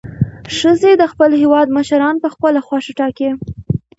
ښځې د خپل هیواد مشران په خپله خوښه ټاکي.